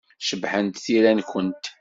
Cebḥent tira-nwent.